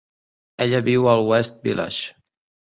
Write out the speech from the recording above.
Ella viu al West Village.